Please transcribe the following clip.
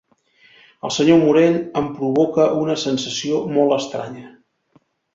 El senyor Morell em provoca una sensació molt estranya.